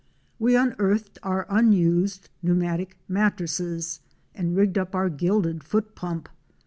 We unearthed our unused pneumatic mattresses and rigged up our gilded foot pump.